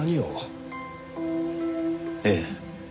ええ。